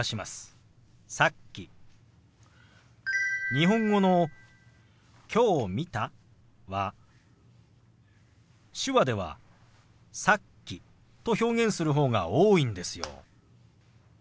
日本語の「きょう見た」は手話では「さっき」と表現する方が多いんですよ。